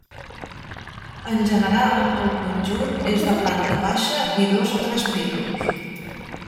En general, el conjunt és de planta baixa i dos o tres pisos.